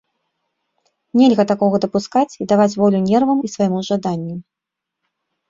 Нельга такога дапускаць і даваць волю нервам і свайму жаданню.